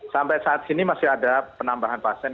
sampai saat ini masih ada penambahan pasien